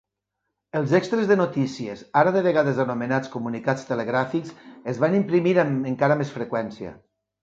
Els extres de "Notícies", ara de vegades anomenats comunicats telegràfics, es van imprimir amb encara més freqüència.